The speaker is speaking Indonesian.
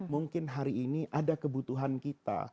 mungkin hari ini ada kebutuhan kita